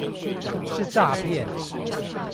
是詐騙